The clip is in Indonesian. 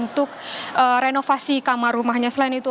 terlepas saja packet tibet